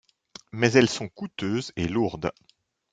Mais elles sont coûteuses et lourdes.